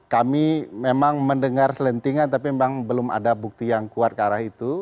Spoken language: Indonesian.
kami memang mendengar selentingan tapi memang belum ada bukti yang kuat ke arah itu